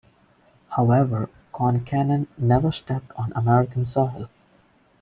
However, Concanen never stepped on American soil.